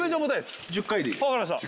分かりました。